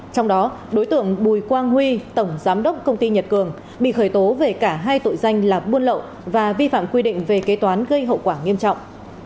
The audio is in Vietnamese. trong đó đối tượng bùi quang huy tổng giám đốc công ty nhật cường bị khởi tố về cả hai tội danh là buôn lậu và vi phạm quy định về kế toán gây hậu quả nghiêm trọng